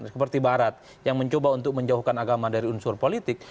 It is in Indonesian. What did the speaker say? seperti barat yang mencoba untuk menjauhkan agama dari unsur politik